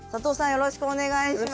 よろしくお願いします。